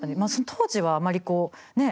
当時はあまりこうね